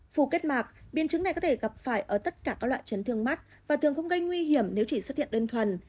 phù kết mạng biến chứng này có thể gặp phải ở tất cả các loại chấn thương mắt và thường không gây nguy hiểm nếu chỉ xuất hiện đơn thuần